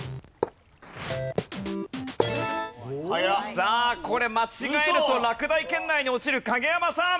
さあこれ間違えると落第圏内に落ちる影山さん。